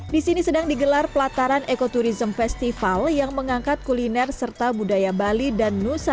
disini sedang digelar pelataran ekoturism festival yang mengangkat kuliner serta budaya bali dan nusa